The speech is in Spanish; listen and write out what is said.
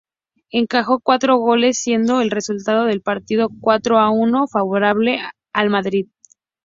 Encajó cuatro goles siendo el resultado del partido cuatro a uno favorable al Madrid.